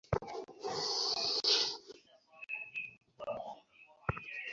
শ্রীকৃষ্ণ আত্মসংস্থ হয়ে গীতা বলেছিলেন।